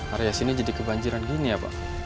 area sini jadi kebanjiran gini ya pak